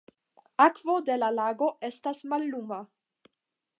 Akvo de la lago estas malluma.